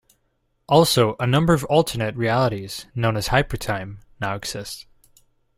Also, a number of alternate realities- known as Hypertime- now exist.